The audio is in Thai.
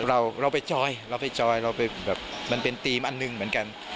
เราไปจอยมันเป็นธีมอันนึงเหมือนกัน